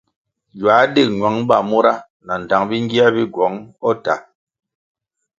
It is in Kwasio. Ywā dig ñwang ba mura nandtang bingier bi gywong o tah.